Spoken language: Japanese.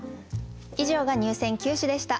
以上が入選九首でした。